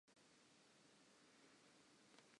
He was three times consul, and celebrated two triumphs.